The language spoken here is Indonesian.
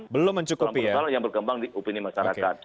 perkembangan yang berkembang di opini masyarakat